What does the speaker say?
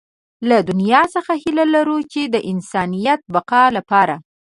له دنيا څخه هيله لرو چې د انسانيت بقا لپاره.